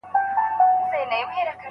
خاوند بايد د خپلي ميرمني سره ښه ژوند وکړي.